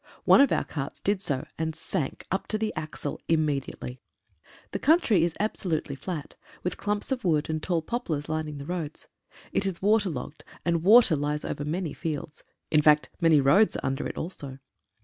One of our carts did so, and sank up to the axle immediately. The country is absolutely flat, with clumps of woods and tall poplars lining the roads. It is water logged, and water lies over many fields. In fact, many roads are under it also.